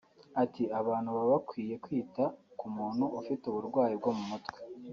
Ati “Abantu baba bakwiye kwita ku muntu ufite uburwayi bwo mu mutwe